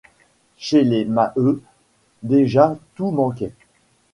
Chez les Maheu, déjà tout manquait.